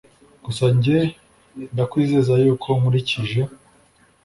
gusa njye ndakwizeza yuko nkurikije